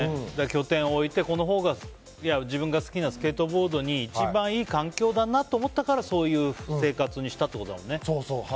拠点を置いて、自分が好きなスケートボードに一番いい環境だなと思ったからそういう生活にしたってことなのね。